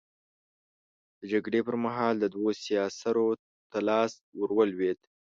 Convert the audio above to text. د جګړې پر مهال دوو سياسرو ته لاس ور لوېدلی.